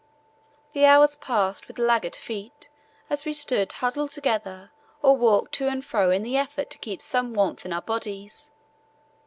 The hours passed with laggard feet as we stood huddled together or walked to and fro in the effort to keep some warmth in our bodies.